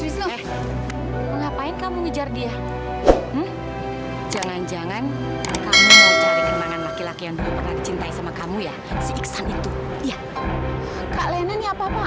sampai jumpa di video selanjutnya